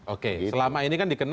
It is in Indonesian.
oke selama ini kan dikenal